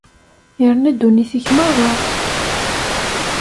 Yerna ddunit-ik merra.